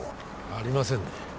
ありませんね